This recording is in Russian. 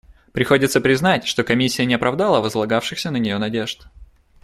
Приходится признать, что Комиссия не оправдала возлагавшихся на нее надежд.